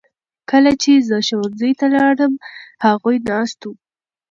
کله چې زه ښوونځي ته لاړم هغوی ناست وو.